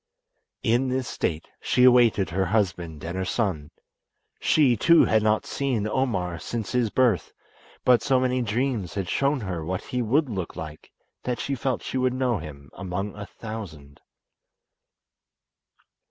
In this state she awaited her husband and her son. She, too, had not seen Omar since his birth, but so many dreams had shown her what he would look like that she felt she would know him among a thousand.